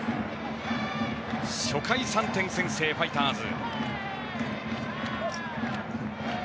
初回３点先制のファイターズ。